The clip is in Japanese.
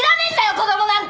子供なんか！